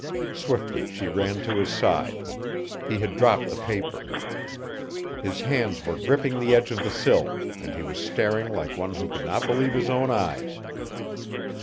Swiftly she ran to his side. He had dropped the paper. His hands were gripping the edge of the sill, and he was staring like one who could not believe his own eyes.